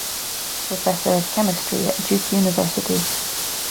Professor of Chemistry at Duke University.